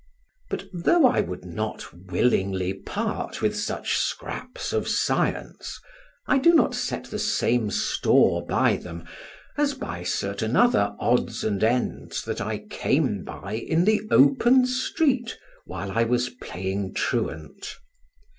But though I would not willingly part with such scraps of science, I do not set the same store by them as by certain other odds and ends that I came by in the open street while I was playing truant.